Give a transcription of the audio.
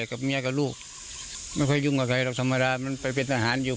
กับเมียกับลูกไม่ค่อยยุ่งกับใครหรอกธรรมดามันไปเป็นทหารอยู่